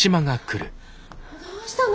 どうしたの？